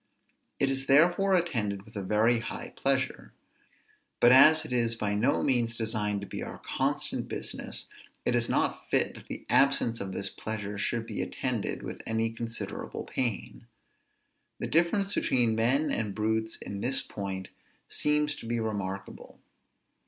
It is therefore attended with a very high pleasure; but as it is by no means designed to be our constant business, it is not fit that the absence of this pleasure should be attended with any considerable pain. The difference between men and brutes, in this point, seems to be remarkable.